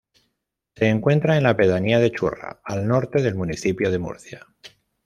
Se encuentra en la pedanía de Churra, al norte del municipio de Murcia.